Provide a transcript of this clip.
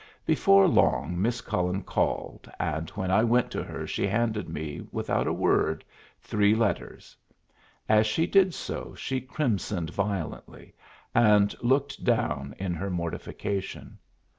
Before long Miss Cullen called, and when I went to her she handed me, without a word, three letters. As she did so she crimsoned violently, and looked down in her mortification.